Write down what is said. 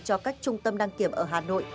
cho các trung tâm đăng kiểm ở hà nội